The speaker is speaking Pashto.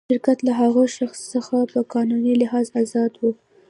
شرکت له هغه شخص څخه په قانوني لحاظ آزاد و.